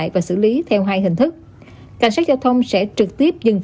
và đóng góp của người dân